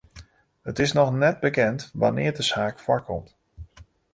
It is noch net bekend wannear't de saak foarkomt.